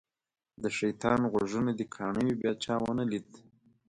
د شیطان غوږونه دې کاڼه وي بیا چا ونه لید.